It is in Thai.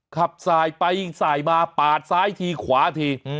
ขับสายไปสายมาปาดซ้ายทีขวาที